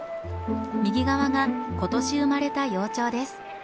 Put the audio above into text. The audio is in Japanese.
右側が今年生まれた幼鳥です。